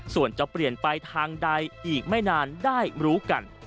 ส่วนจะเปลี่ยนไปทางใดอีกไม่นานได้รู้กัน